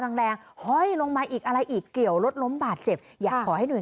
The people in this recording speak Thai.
แรงแรงห้อยลงมาอีกอะไรอีกเกี่ยวรถล้มบาดเจ็บอยากขอให้หน่วย